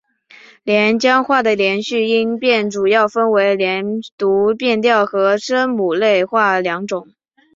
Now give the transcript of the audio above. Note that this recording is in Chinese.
连江话的连读音变主要分为连读变调和声母类化两种。